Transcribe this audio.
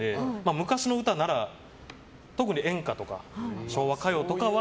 昔の歌なら特に演歌とか昭和歌謡とかは